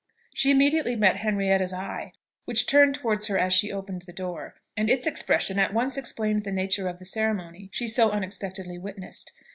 She immediately met Henrietta's eye, which turned towards her as she opened the door, and its expression at once explained the nature of the ceremony she so unexpectedly witnessed.